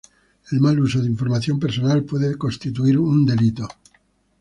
El mal uso de información personal puede constituir un delito.